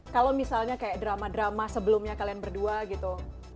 kalau misalnya kayak drama drama sebelumnya kalian berdua gitu